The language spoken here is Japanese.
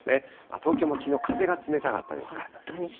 東京もきのう、風が冷たかったですから。